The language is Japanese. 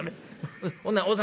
ほなお先。